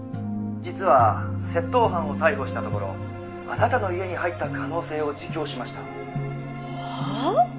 「実は窃盗犯を逮捕したところあなたの家に入った可能性を自供しました」はあ？